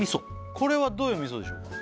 これはどういう味噌でしょうか？